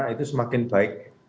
itu semakin baik